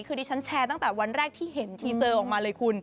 คือดิฉันแชร์ตั้งแต่วันแรกที่เห็นทีเซอร์ออกมาเลยคุณ